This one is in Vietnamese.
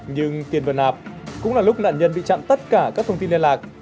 nhưng tiền vừa nạp cũng là lúc đàn nhân bị chặn tất cả các thông tin liên lạc